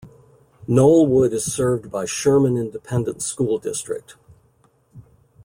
Knollwood is served by Sherman Independent School District.